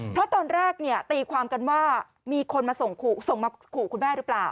เพราะตอนแรกเนี่ยตีความกันว่ามีคนมาส่งมาขู่คุณแม่หรือเปล่า